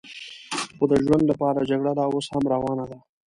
خو د ژوند لپاره جګړه لا اوس هم روانه ده.